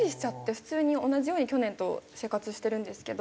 普通に同じように去年と生活してるんですけど。